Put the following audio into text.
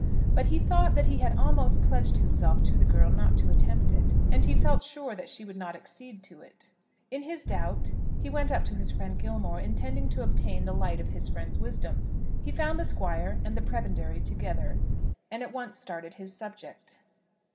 But he thought that he had almost pledged himself to the girl not to attempt it, and he felt sure that she would not accede to it. In his doubt he went up to his friend Gilmore, intending to obtain the light of his friend's wisdom. He found the Squire and the Prebendary together, and at once started his subject.